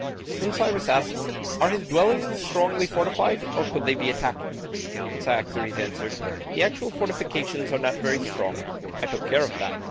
Then Cyrus asked, "Are his dwellings strongly fortified, or could they be attacked?" And Cyaxares answered, "The actual fortifications are not very strong: I took good care of that.